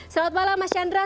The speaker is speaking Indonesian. selamat malam mas chandra